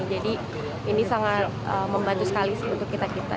jadi ini sangat membantu sekali untuk kita kita